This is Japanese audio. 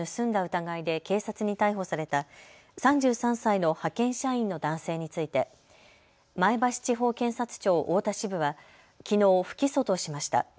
疑いで警察に逮捕された３３歳の派遣社員の男性について前橋地方検察庁太田支部はきのう不起訴としました。